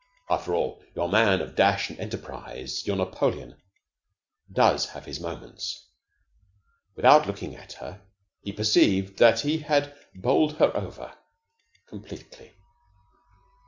After all, your man of dash and enterprise, your Napoleon, does have his moments. Without looking at her, he perceived that he had bowled her over completely.